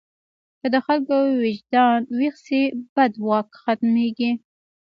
که د خلکو وجدان ویښ شي، بد واک ختمېږي.